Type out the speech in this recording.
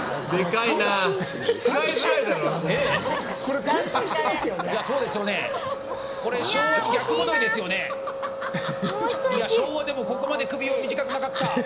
いや、昭和でもここまで首は短くなかった。